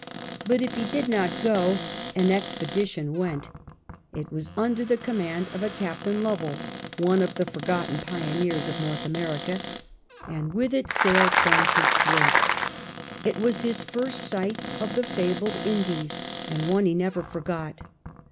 But if he did not go, an expedition went It was under the command of a Captain Lovell, one of the forgotten pioneers of North America, and with it sailed Francis Drake. It was his first sight of the fabled Indies, and one he never forgot.